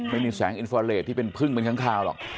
ไม่มีแสงอินฟาเลสที่เป็นพึ่งเป็นค้างคาวหรอก